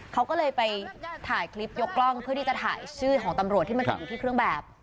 เขาก็เลยไปถ่ายคลิปยกกล้องเพื่อที่จะถ่ายชื่อของตำรวจที่มันติดอยู่ที่เครื่องแบบ